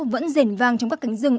vẫn rền vang trong các cánh rừng